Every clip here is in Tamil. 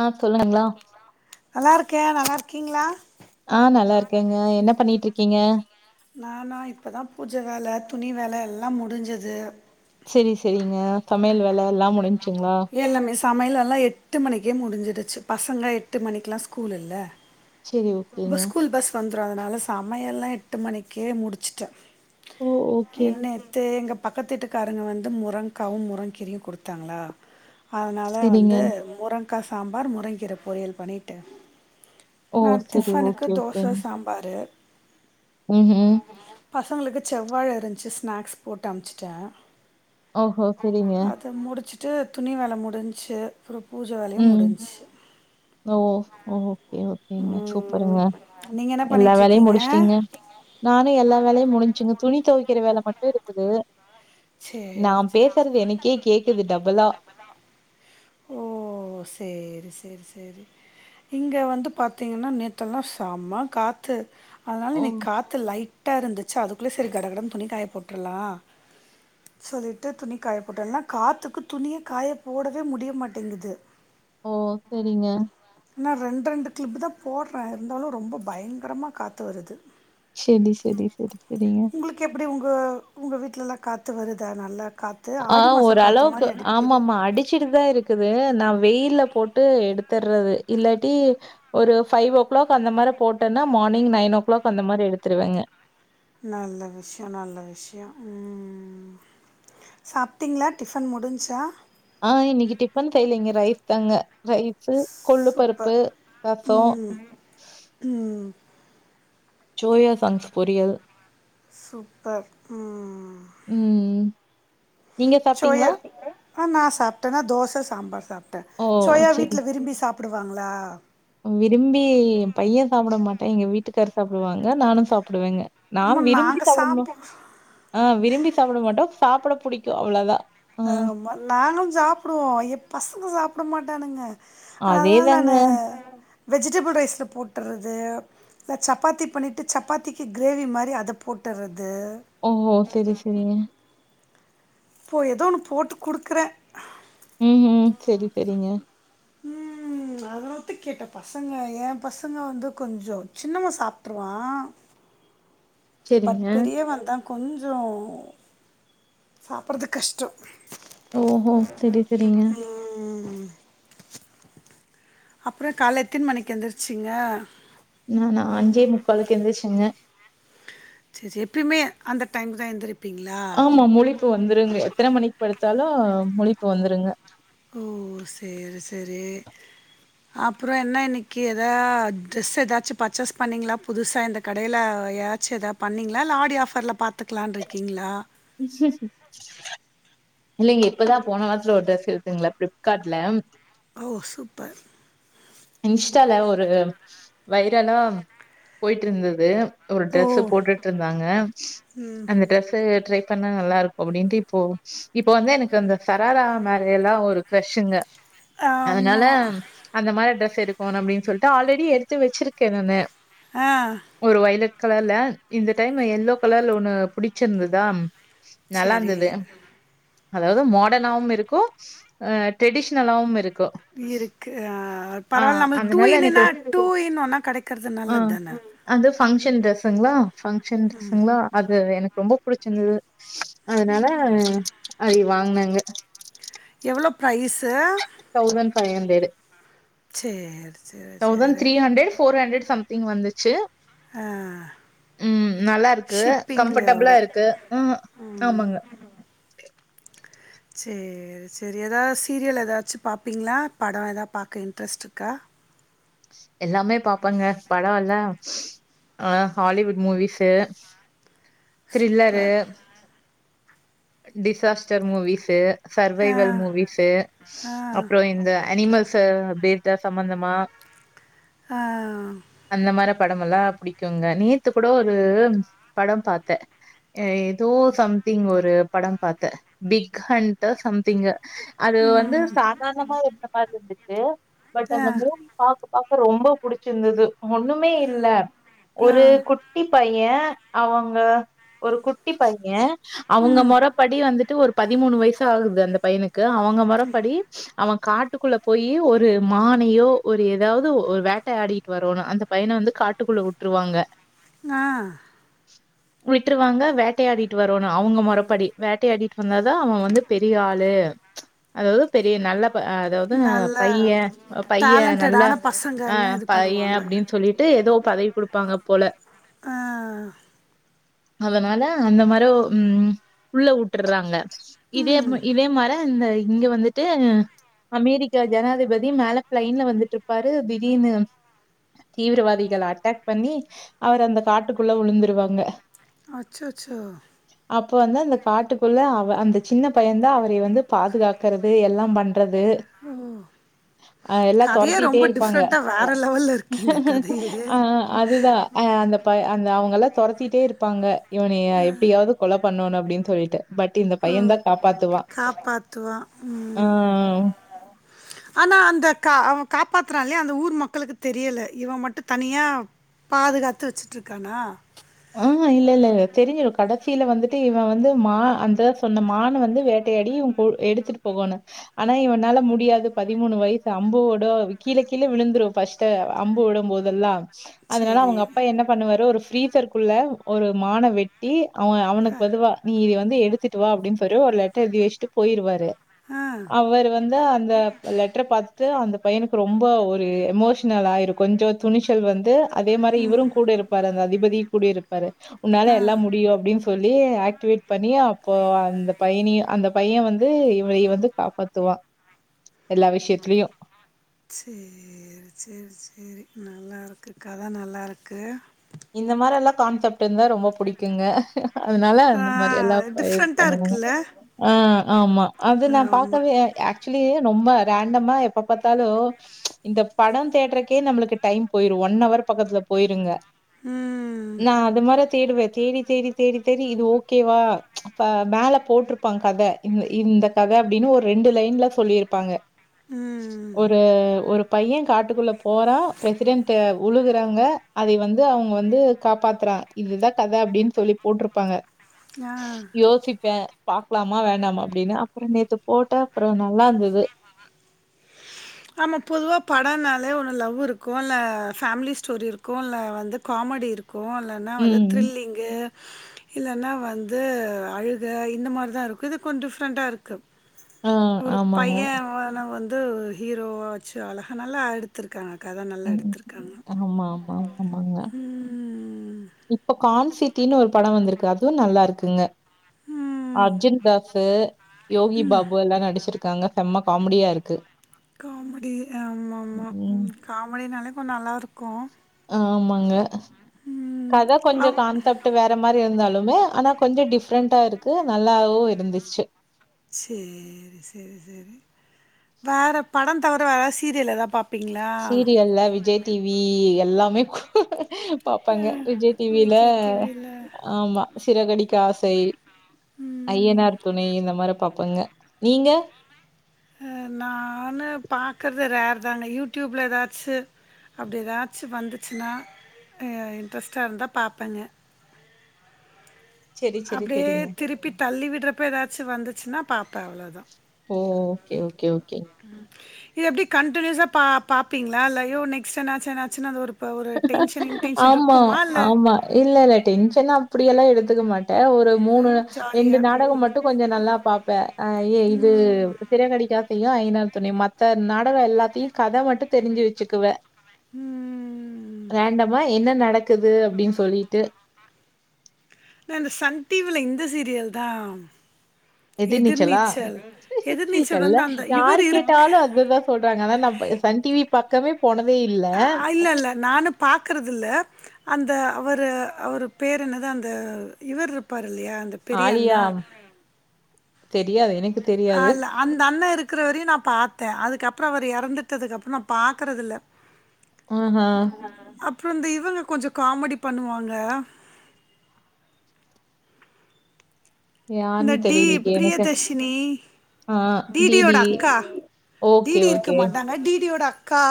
ஆ சொல்லவிங்ளா நல்லார்க்கே நல்லார்க்கீங்ளா ஆ நல்லார்கேங்க என்ன பண்ணிட்டிருக்கீங்க நானா இப்ப தா பூஜ வேல துணி வேல எல்லா முடுஞ்சது செரி செரிங்க சமையல் வேல எல்லா முடுஞ்சுங்களா எல்லாமே சமையல்வேலலா எட்டு மணிக்கே முடுஞ்சுடுச்சு பசங்க எட்டு மணிக்லா ஸ்கூலுல்ல சரி இப்ப ஓகேங்க. ஸ்கூல் பஸ் வந்துரு அதனால சமையல்லா எட்டு மணிக்கே முடுச்சுட்டே ஓ! ஓகே. எ நேத்து எங்க பக்கத்வீட்டுக்காரங்க வந்து முரங்காவு முரங்கீரையு குடுத்தாங்களா அதனால சரிங்க. வந்து முரங்கா சாம்பார் முரங்கீர பொரியல் பண்ணிட்டு ஓ நா சரி டிஃபனுக்கு ஓகே ஓகே தோச சாம்பாரு பசங்களுக்கு செவ்வாழ இருன்ச்சு ஸ்நாக்ஸ் போட்டு அமுச்சுட்டே ஓஹோ! சரிங்க. அத முடுச்சுட்டு துணி வேல முடுன்ச்சு அப்பறோ பூஜ வேலயு ம். முடுன்ச்சு ஓ ஓகே ஓகேங்க ம், சூப்பருங்க நீங்க என்ன எல்லா பண்ணிட்டு வேலையு இருக்கீங்க முடுஸ்டீங்க நானு எல்லா வேலையு முடுன்சுங்க துணி தொவைக்கிற வேல மட்டு இருக்குது நா சரி சரி பேசறது எனக்கே கேக்குது டபுளா ஓ சேரி சேரி சேரி இங்க வந்து பாத்திங்கன்னா நேத்தல்லா செம காத்து அதுனால ஓ! இன்னக் காத்து லைட்டா இருந்துச்சு அதுக்குள்ள சரி கடகடன் துணி காய போட்டற்லா சொல்லிட்டு துணி காய போட்டே இல்லனா காத்துக்கு துணிய காய போடவே முடிய மாட்டேங்குது ஓ செரிங்க நா ரெண் ரெண்டு கிளிப்பு தா போட்றே இருந்தாலு ரொம்ப பயங்கரமா காத்து வருது செரி செரி செரி செரிங்க உங்களுக்கு எப்டி உங்க உங்க வீட்லல்லா காத்து வருதா நல்லா காத் ஆ ஓரளவுக்கு ஆமா ஆமா அடிச்சுட்டு தான் இருக்கு இருக்குது நான் வெயில போட்டு எடுத்துடுறது இல்லாட்டி ஒரு ஃபைவ் ஓ கிளாக் அந்த மாதிரி போட்டேன்னா மார்னிங் நைன் ஓ கிளாக் அந்த மாதிரி எடுத்துடுவாங்க நல்ல விஷயம் நல்ல விஷயம் ம் சாப்பிட்டிங்களா டிஃபன் முடிஞ்சுச்சா ஆ இன்னைக்கு டிஃபன் செய்லைங்க ரைஸ் தாங்க ரைஸ்ஸு கொள்ளு சூப்பர் பருப்பு ரசம் ம் ம் சோயா சாங்ஸ் பொறியல் சூப்பர் ம்ம்ம் ம் ம் நீங்க சோயா சாப்பிட்டீங்களா? ஆ நான் சாப்ட்டேன நா தோசை சாம்பார் சாப்ட்டேன் ஓ! சோயா சரி. வீட்டல விரும்பி சாப் பிடுவாங்களா விரும்பி என் பையன் சாப்ட மாட்டான் எங்க வீட்டுக்காரு சாப்டுவாங்க நானும் சாப்டுவேங்க நான் அம்மா விரும்பி நாங்கள் சாப்ட சாப்பிடுவோம் ஆ விரும்பி சாப்ட மாட்டோம் சாப்ட புடிக்கும் அவ்வளவுதான் ஆ நாங்களும் சாப்டுவோம் என் பசங்க சாப்ட மாட்டானுங்க ஆனா அதேதாங்க. நானு வெஜிடபிள் ரைஸ்ல போட்றது இதல சப்பாத்தி பண்ணிட்டு சப்பாத்திக்கு கிரேவி மாதிரி அதை போட்டுறது ஓ செரி செரிங்க இப்போ ஏதோ ஒன்னு போட்டு கொடுக்குறேன் ம் ம் சேரி சேரிங்க அதை கேட்ட பசங்க என் பசங்க வந்து கொஞ்சம் சின்னவே சாப்டுருவான் பட் சரிங்க. பெரியவந்தான் கொஞ்சம் சாப்ட்றது கஷ்டம் ஓ ஹோ செரி செரிங்க ம் அப்றம் கால்ல எத்தன மணிக்கு எந்திருச்சீங்க ம் நான் அஞ்சே முக் காலுக்கு எந்திரிச்சேங்க சேர் சேரி எப்பியுமே அந்த டைம் தான் எந்திரப் ஆமா முழிப்பு வந்துருங்க எத்தன மணிக்கு படுத்தாலும் முழிப்பு வந்துருங்க ஓ சேரி சேரி அப்றம் என்ன இன்னைக்கு எதா ட்ரெஸ் ஏதாச்சும் பர்ச்சேஸ் பண்ணிங்களா புதுசா இந்த கடையில யாராச்சும் எதாவது பண்ணிங்களா இல்ல ஆடி ஆஃபர்ல பாத்துக்கலானு இருக்கீங்களா இல்லேங்க இப்பதான் போன வாரத்துல ஒரு ட்ரெஸ் எடுத்தங்களா பிளிப்கார்ட்ல ஓ சூப்பர் இன்ஸ்டால ஒரு வைரலா போய்ட்டு இருந்தது ஒரு ஓ! ட்ரெஸ்ஸ போட்டுட்டு இருந்தாங்க அந்த ட்ரெஸ் ட்ரை பண்ணா நல்லா இருக்கும் அப்டின்ட்டு இப்போ இப்போ வந்து எனக்கு அந்த சராரா மேரே எல்லாம் ஒரு க்ரசிங்க அதனால ஆமா. அந்த மாதிரி டிரெஸ் இருக்கும் ஆனா அப்டின்னு சொல்லிட்டு ஆல்ரெடி எடுத்து வச்சிருக்கேன் நானு ஆ ஒரு வொய்லட் கலர்ல இந்த டைம் எல்லோ கலர்ல ஒண்ணு புடிச்சிருந்துதா சரி. நல்லாருந்தது அதாவது மாடர்னாவும் இருக்கும் ட்ரெடிஷனலாவும் இருக் இருக்கு ஆ பரவாயில்ல நம்மளுக்கு டூ அதனால இன் எனக்கு என்னா ரொ டூ இன் ஒன்னா கிடைக்கிறது ஆ நல்லது தானே அது பங்க்ஷன் டிரெஸ்ங்களா பங்ஷன் ட்ரெஸ்ங்களா அது எனக்கு ரொம்ப புடிச்சிருந்தது அதனால அது வாங்குனாங்க எவ்ளோ ப்ரைஸ்ஸ தௌசண்ட் ஃபைவ் அண்டரண்ட்டு சரி, சரி, தௌசண்ட் சரி. Three hundred four hundred something thing வந்துச்சு ஆ ம் நல்லாருக்கு ஷிப்பிங்கோட. கம்ஃபர்டபிளா இருக்கு ம் ம். ஆமங்க சே சேர் எதாது சீரியல் எதாச்சு பாப்பிங்களா படோ எதா பாக்க இன்ட்ரெஸ்ட் இருக்கா எல்லாமே பாப்பங்க படோ இல்ல ஆ Hollywood movies thriller super. Disaster movies ஆ, சர்வைவல் மூவிஷு ஆ, ஆ, அப்பறோ இந்த அனிமல்ஸ் பேஸ்டா சம்பந்தமா ஆ அந்த மாரி படமெல்லா புடிக்குங்க நேத்து கூட ஒரு படம் பாத்தே ஏதோ சம்திங் ஒரு படம் பாத்த பிக்ஹன்ட்டோ சம்திங்கு அது வந்து சாதார்ணமா இருந்த மாதிரி இருந்துச்சு பட் அந்த மூண ஆ, பாக்க பாக்க ரொம்போ புடுச்சிருந்தது ஒண்ணுமே இல்ல ஒரு குட் குட்டி பைய அவங்க ஒரு குட்டி பைய அவங்க மொறப்படி வந்துட்டு ஒரு பதிமூணு வய்சாகுது அந்த பையனுக்கு அவங்க மொறப்படி அவ காட்டுக்குள்ள போயி ஒரு மானையோ ஒரு ஏதாவது ஒரு வேட்ட ஆடிட்டு வரன்னு அந்த பையன வந்து காட்டுக்குள்ள வுட்டுருவாங்க ஆ [inaudible] விட்டுருவாங்க வேட்டையாடிட்டு வரோன்னு அவங்க மொறப்படி வேட்டையாடிட்டு வந்தாதா அவ வந்து பெரிய ஆளு அதாவ்து பெரிய நல்ல ப அதாவ்து நல்ல பைய பைய நல்லா டேலண்டடான ஆ பசங்கன்னு இது பைய பண்ணுவாங்க. அப்பிடின்னு சொல்லிட்டு எதோ பதவி குடுப்பாங்க போல ஆ அதனால அந்த மரொ உம் உள்ள உட்ற்றாங்க இதே ம் இதே மர இந்த இங்க வந்து ட்டு அ அமெரிக்கா ஜனாதிபதி மேல ப்ளைன்ல வந்துட்ருப்பாரு திடீன்னு தீவிரவாதிகள அட்டாக் பண்ணி அவர் அந்த காட்டுக்குள்ள உழுந்துருவாங்க அச்சொச்சோ அப்ப வந்து அந்த காட்டுக்குள்ள அவ அந்த சின்ன பையன் தா அவரெய வந்து பாதுகா க்கறது எல்லாம் பண்றது எல்லா ஆ தொரத் கதையே த்திட்டே ரொம்ப இருப்பாங்க டிஃப்ரெண்ட்டா வேற லெவல்ல இருக்கேங்க கதையே. ஆ அதுதா ஆ அந்த பை அந்த அவங்க எல்லா தொரத்திட்டே இருப்பாங்க இவனையெ எப்பிடியாவது கொல பண்ணோணு அப்பிடின்னு சொல்லிட்டு பட் இந்த ஓ! பையந்தா காப்பாத்துவா காப்பாத்துவான். ஆ ம். ஆனா அந்த கா அவ காப்பாத்துறால்லயா அந்த ஊர் மக்களுக்கு தெரியல இவ மட்டு தனியா பாதுகாத்து வெச்சுட்ருக்கானா ஆ இல்ல இல்ல இல்ல தெருஞ்சுரு கடசீல வந்துட்டு இவ வந்து மா அந்த சொன்ன மான்ன வந்து வேட்டையாடி போ எடுத்துட்டு போகோனு ஆனா இவனால முடியாது பதிமூணு வய்சு அம்புவோட கீழ கீழ விழுந்துரு ஃபர்ஸ் ட் அம்பு உடும் போதெல்லா அதனால சரி அவ்ங்க அப்பா என்ன பண்ணுவாரு ஒரு ஃரீசர்க்குள்ள ஒரு மான வெ ட்டி அவ அவனுக்கு பதுவா நீ இ வந்து எடுத்துட்டு வா அப்பிடின்னு சொரு ஒரு லெட்டர் எதி வெச்ட்டு போய்ருவாரு ஆ அவர் வந்து அந்த லெட்டர பாத்துட்டு அந்த பையனுக்கு ரொம்ப ஒரு எமோஷ்னலாயிருக் கொஞ்சொ துணிச்சல் வந்து அதே மாரி இவரூ கூட இருப்பாரு அந்த அதிபதி கூடி இருப்பாரு உன்னால ஆ எல்லா முடியு அப்டின் சொ சொல்லி ஆக்டிவேட் பண்ணி அப்போ அந்த பைய்னியு அந்த பையன் வந்து இவ இவ வந்து காப்பாத் துவா எல்லா விஷயத்லியு செரி செரி சேரி நல்லா இருக்கு கத நல்லா இருக்கு இந்த மாரெல்லா கான்செப்ட் இருந்தா ரொம்ப புடிக்குங்க அதனால அந்த மாரி எல்லா பய டிஃப்ரெண்ட்டாக பண்ணுவோ இருக்குல்ல ஆ ஆமா அது நா ஆமாம் பாக்கவே ஆக் சுலி ரொம்ப ரேண்டமா எப்ப பாத்தாலு இந்த படொ தேட்றக்கே நம்மளுக்கு டைம் போய்ரு ஒன் ஹவர் பக்கத்துல போய்ருங்க ம் நா அதமாரி தேடுவ தேடி தேடி தேடி தேடி இது ஓகேவா அப்ப மேல போட்ருப்பாங் கத இந் இந்த கத அப்டின்னு ஒரு ரெண்டு லைன்ல சொல்லிர்ப்பாங்க ம் ஒரு ஒரு பைய காட்டுக்குள்ள போறா பிரசிடென்ட்டு உழுகுறாங்க அதைய வந் து அவ்ங்க வந்து காப்பாத்துறா இதுதா கதை அப்டின் சொல்லி போட்டிருப்பாங்க ஆஹ் யோசிப்பே பாக்கலாமா வேணமா அப்டின்னு அப்புறோ நேத்து போட்டே அப்புறோ நல்லா இருந்தது ஆமா பொதுவா படன்னாலே ஒனு லவ்வு இருக்கு இல்ல ஃபேமிலி ஸ்டோரி இருக்கு இல்லை வந்து காமடி இருக் கு இல்லனா வந்து ம். த்ரில்லிங்கு இல்லனா வந்து அழுக இந்த மாரி தா இருக்கு இது கொஞ்சம் டிஃப்ரெண்ட்டா இருக்கு ஆ ஒரு ஆமாங்க. பைய இவனை வந்து ஹீரோவா வெச்சு அழகா நல்லா அடுத் துருகாங்க கத நல்லா ம். எடுத்துருகாங்க ஆமா, ஆமா, ஆமாங்க. ம் இப்ப கான்சிட்டினு ஒரு படம் வந்திருக்கு‌ அதுவு நல்லா இருக்குங்க ம். அர்ஜுன் தாஸ் ஸு யோகி பாபு எல்லா நடிச்சுர்காங்க செம்ம காமெடியா இருக்கு காமெடி ஆம் ஆமா ம் காமெடினால கொஞ்சோ நல்லா இருக்கு ஆமாங்க கத கொஞ்ச அவ் கான்சாப்ட் டு வேற மாரி இருந்தாலுமே ஆனா கொஞ்சோ டிஃபரெண்ட்டா இருக்கு நல்லாவு இருந்துச்சு சேரி செரி செரி வேற படம் தவிர வேறது சீரியல் ஏதா பாப் சீரியல்ல விஜய் டிவி எல்லாமே அ பாப்பங்க விஜய் டிவில விஜய் டிவில. ஆமா சிறகடிக்க ஆசை ம். ஐயனார் துணை இந்த மாரி பாப்பங்க நீங்க நானு பாக்கறது ரேர் தாங்க யூடியூப்ல ஏதாச்சு அப்டி எதாச்சு வந்துச்சுனா இன்ட்ரெஸ்ட்டா இருந்தா பாப்பேங்க சரி, சரி, அப்டியே சரிங்க. திருப்பி தள்ளி விடுறப்போ ஏதாச்சு வந்துச்சுன்னா பாப்பே அவ்ளோதா ஓ ஓகே ஓகே ஓகே இது எப்டி கன்டினுயஸ்ஸா பா பாப்பீங்களா இல்ல அயோ நெக்ஸ்ய் என்னாச்சு என்னாச்சுன்னு அது ஒரு இப்போ ஒரு டென்ஷன் இன்டென்ஷன் இருக்குமா இல்ல இல்லல்ல டென்ஷன் அப்டியெல்லா எடுத்துக்க மாட்ட ஒரு மூணு ரெண்டு ஜாலியா நாடகம் மட்டு கொஞ்சோ நல்லா பாப்பே அயே இது ம் சிறகடிக்கா ஆசையு ஐய்யானார் துணை மத்த நாடகோ எல்லாத்தையு கதை மட்டும் தெரிஞ்சு வெச்சுக்குவே ம் ம் ம் ரேண்டமா என்ன நடக்குது அப்டின் சொல்லிட்டு இந்த சன் டி வி ல இந்த சீரியல்தா எதிர் நீச்சலா எதிர்நீச்சல் வந்து எல்லா அந்த யாரு இவர் இருக்கு கேட்டாலு அதுதா சொல்றாங்க ஆனா நா சன் டி வி பக்கமே போனதே இல்ல இல்லல்ல நானு பாக்கறது இல்ல அந்த அவரு அவர் பேரு என்னது அந்த இவர் இருப்பார் இல்லையா அந்த பெரிய ஆலியா அண்ணா தெரியாது எனக்கு அ தெரியாது. இல்ல அந்த அண்ண இருக்கற வரையு நா பாத்த அதுக்கப்றோ அவர் இறந்துட்டதுக்கு அப்றோ நா பாக்கறது இல்ல ஆஹா. அப்றோ இந்த இவுங்க கொஞ்சோ காமெடி பண்ணுவாங்க இந்த யாருன்னு டி தெரியலையே எனக்கு. பிரியதர்ஷினி ஆ டி டியோட டிடி. அக்கா டி ஓகே, டி இருக்க ஓகே. மாட்டாங்க டி டியோட அக்கா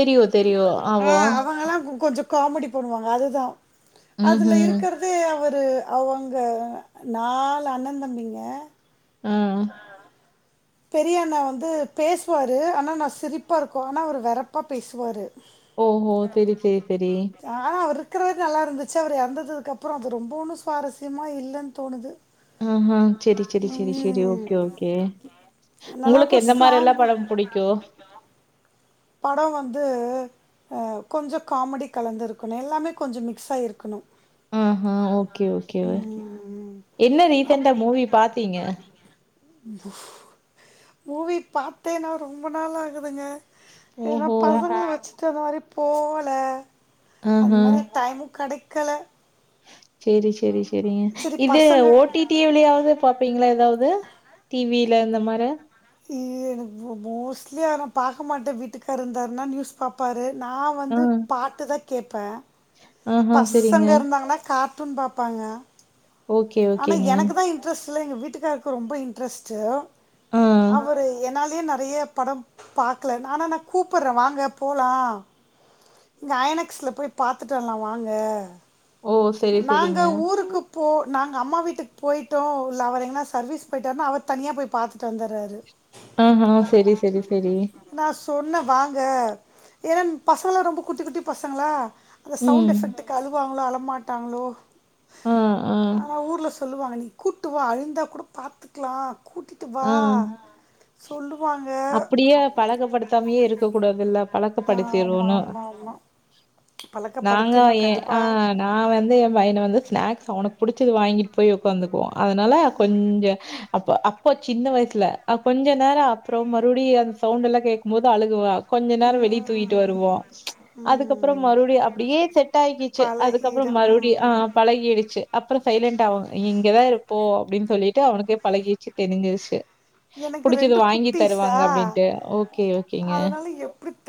தெரியும், தெரியும். ஆ ஆமா. அவங்கெல்லா கொஞ்சோ காமெடி பண்ணுவாங்க அதுதா அதுல ம்ஹ்ம். இருக்கற து அவரு அவுங்க நாலு அண்ணந்தம்பிங்க ம் பெரியண்ணா வந்து பேசுவாரு ஆனா நா சிரிப்பா இருக்கு ஆனா அவர் வெரப்பா பேசுவாரு ஓ ஓ செரி செரி செரி ஆ அவர் இருக்கற வரை நல்லா இருந்துச்சு அவர் எறந்ததுக்கப்றோ அது ரொம்புமே சுவாரஸ்யமா இல்லனு தோணுது ஆமா செரி செரி செரி செரி ம் ஓகே ஓகே உங்களுக்கு நல்லாருக்கு எந்த மாரியெல்லா ஸ்லாங் படம் புடிக்கு படோ வந்து எ கொஞ்சோ காமெடி கலந்து இருக்கணு எல்லாமே கொஞ்சோ மிக்ஸ் ஆகி இருக்கணு ஆ ஹா ஓகே ஓகே ம் என்ன ரீசண்டா மூவி பாத்தீங்க மூவி பாத்தே நா ரொம்ப நாள் ஆகுதுங்க ஏனா ஓஹோ! பழங்க வெச்சு த்த மாரி போகல அந்த ஆஹா. மாரி டைம் கெடைக்கல சேரி சேரி சேரிங்க சரி இது பசங்க ஓ டி டி விலயாவது பாப்பீங்ளா எதாவது டி வில இந்த மார இ எனக்கு மோ மோஸ்ட்லி நா பாக்க மாட்ட வீட்டுக்கார் இருந்தாருனா நியூஸ் பாப்பாரு நா ஆ. வந்து பாட்டுதா கேப்ப ஆஹா. சரிங்க. பசங்க இருந்தாங்கனா கார்ட்டூன் பாப்பாங்க ஓகே, ஆனா ஓகேங்க. எனக்குதா இன்ட்ரெஸ்ட்ல எங்க வீட்டுகாருக்கு ரொம்ப இன்ட்ரெஸ்ட்டு ஆ. அவரு என்னாலயே நெறய படம் பாக்கல நானா கூப்புர்ற வாங்க போலா இங்க அயனக்ஸ்ல போய் பாத்துட்டு வர்லா வாங்க ஓ! சரி, நாங்க சரிங்க. ஊருக்கு போ நாங்க அம்மா வீட்டுக்கு போய்டோ இல்ல அவர் எங்கனா சர்வீஸ் போயிட்டாருனா அவர் தனியா போய் பாத்துட்டு வந்தர்றாரு ஆஹா செரி செரி செரி நா சொன்ன வாங்க ஏனா பசங்கெல்லா ரொம்ப குட்டி குட்டி பசங்களா அந்த சவுண்ட் ம். எஃபெக்ட்க்கு அழுவாங்ளோ அழமாட்டாங்ளோ ஆ, ஆ, ஆனா ஊர்ல சொல்லுவாங்க நீ கூட்டுவா அழுந்தா கூட பாத்துக்கலா கூட்டி ட்டு வா ஆ. சொல்லுவாங்க த்தாமயே இருக்க கூடாதல்ல ஆமா பழக்கப்படுத்திர்ரோனு ஆமா ஆமா நாங்க பழக்கப்படுத்தின்னு ஏ ஆ கண்டிப்பா நா வந்து என் பையனு வந்து ஸ்நாக்ஸ் அவனுக்கு புடிச்சது வாங்கிட்டு போய் உக்காந்துக்குவோ அதனால கொஞ்சோ அப்ப அப் ப்ப சின்ன வய்சுல கொஞ்ச நேரோ அப்றம் மறுப்டி அந்த சவுண்ட்டெல்லா கேக்கும்போது அழுகுவா கொஞ்ச நேரோ வெளிய தூக்கிட்டு ம் வருவோ அதுக்கப்றோ ம் மறுப்டி அப்டியே செட்டாக்கிச்சு அதுக்கப்றோ பழகிடு மறுப்டி ஆ ம் பழகிடுச்சு அப்றோ சைலண்ட் ஆவாங் இங்கதா இருப்போ அப்டின் சொல்லிட்டு அவனுக்கே பழகிருச்சு தெரிஞ்சிருச்சு எனக்கு புடிச்சது ரெண்டு வாங்கி குட்டீஸா தருவாங்க அப்டின்ட்டு ஓகே ஓகேங்க அதனால எப்டி தனி